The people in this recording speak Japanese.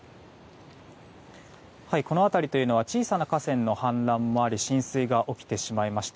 この辺りというのは小さな河川の氾濫もあり浸水が起きてしまいました。